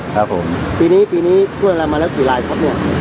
ครับครับผมปีนี้ปีนี้ช่วยอะไรมาแล้วกี่รายครับเนี้ย